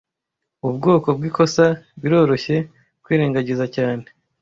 Ubu bwoko bwikosa biroroshye kwirengagiza cyane